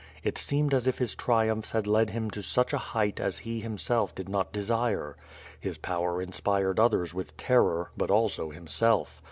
It seemed as if his triumphs had led him to such a height as he himself did not desire. His power inspired others with terror, but also himself.